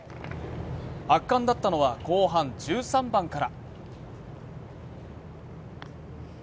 圧巻だったのは、後半１３番から。